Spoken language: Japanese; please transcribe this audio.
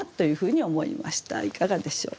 いかがでしょう？